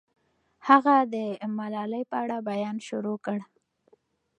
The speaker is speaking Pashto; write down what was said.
هغه د ملالۍ په اړه بیان شروع کړ.